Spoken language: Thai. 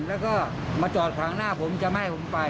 แล้วก็มาจอดขวางหน้าผมจะไม่ให้ผมไป